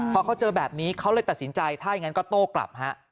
พอเขาเจอแบบนี้เขาเลยตัดสินใจถ้าอย่างนั้นก็โต้กลับฮะ